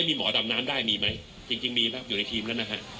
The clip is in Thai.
มีหมอดำน้ำได้มีไหมจริงมีครับอยู่ในทีมแล้วนะฮะ